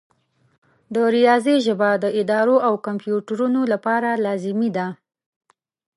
د ریاضي ژبه د ادارو او کمپیوټرونو لپاره لازمي ده.